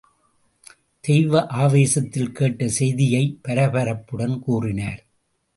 தெய்வ ஆவேசத்தில் கேட்ட செய்தியைப் பரபரப்புடன் கூறினர்.